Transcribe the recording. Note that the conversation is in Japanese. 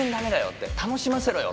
って「楽しませろよ！」